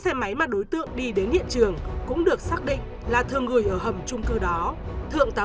xe một đối tượng đi đến hiện trường cũng được xác định là thương người ở hầm chung cư đó thượng tá